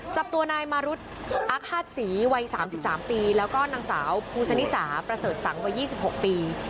จับตัวนายมารุธอาฆาตศรีวัย๓๓ปีแล้วก็นางสาวภูสนิสาประเสริฐสังวัย๒๖ปี